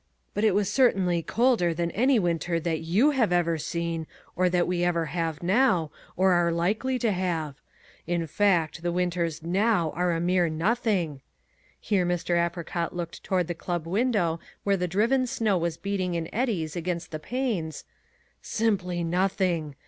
But it was certainly colder than any winter that YOU have ever seen, or that we ever have now, or are likely to have. In fact the winters NOW are a mere nothing," here Mr. Apricot looked toward the club window where the driven snow was beating in eddies against the panes, "simply nothing.